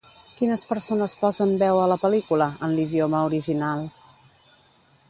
Quines persones posen veu a la pel·lícula, en l'idioma original?